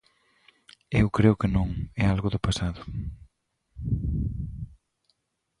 Eu creo que non, é algo do pasado.